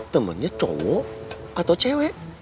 temannya cowok atau cewek